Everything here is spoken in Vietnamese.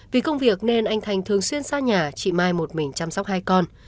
vì công việc nên anh thành thường xuyên xa nhà chị mai một mình chăm sóc hai con